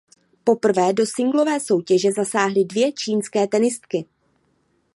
Poprvé do singlové soutěže zasáhly dvě čínské tenistky.